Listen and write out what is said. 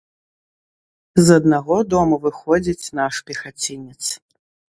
З аднаго дому выходзіць наш пехацінец.